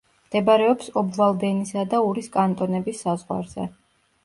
მდებარეობს ობვალდენისა და ურის კანტონების საზღვარზე.